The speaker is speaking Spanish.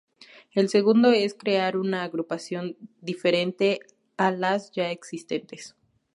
El segundo es crear una agrupación diferente a las ya existentes.